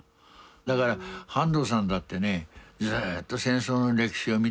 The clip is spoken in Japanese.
だから半藤さんだってねずっと戦争の歴史を見てきてですよ